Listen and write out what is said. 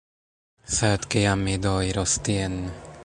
Sed kiam mi do iros tien?